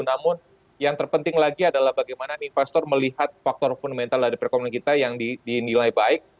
namun yang terpenting lagi adalah bagaimana investor melihat faktor fundamental dari perekonomian kita yang dinilai baik